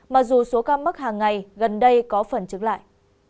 mà dù số ca mất hàng ngày gần đây có phần chứng lại